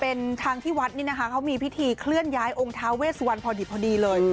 เป็นทางที่วัดนี่นะคะเขามีพิธีเคลื่อนย้ายองค์ท้าเวสวันพอดีพอดีเลย